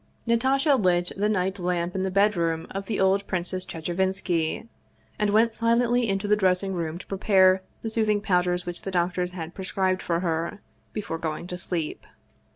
Natasha lit the night lamp in the bedroom of the old Princess Chechevinski, and went silently into the dressing room to prepare the sooth ing powders which the doctors had prescribed for her, before going to sleep.